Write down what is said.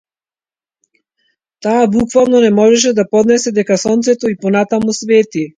Таа буквално не можела да поднесе дека сонцето и понатаму свети.